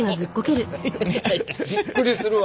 びっくりするわ。